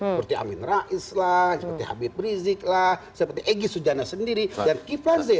seperti amin rais lah seperti habib rizik lah seperti egy sujana sendiri dan kiflan z